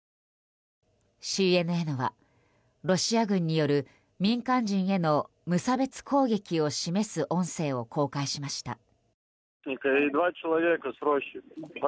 ＣＮＮはロシア軍による民間人への無差別攻撃を示す音声を公開しました。